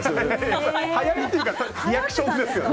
はやりというかリアクションですよね。